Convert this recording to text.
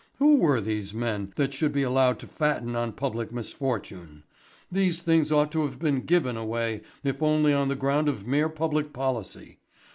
Who were these men that they should be allowed to fatten on public misfortune? These things ought to have been given away if only on the ground of mere public policy.